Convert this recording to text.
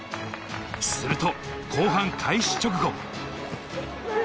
すると後半開始直後。